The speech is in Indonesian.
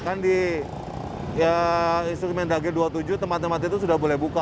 kan di instrumen dage dua puluh tujuh tempat tempat itu sudah boleh buka